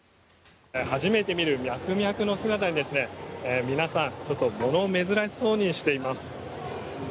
初めて見るミャクミャクの姿に皆さん、ちょっと物珍しそうにしています。